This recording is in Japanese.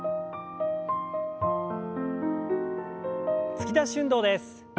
突き出し運動です。